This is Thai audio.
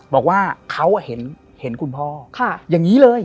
บอกว่าเขาเห็นคุณพ่ออย่างนี้เลย